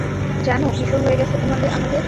জানো, কিসও হয়ে গেছে আমাদের?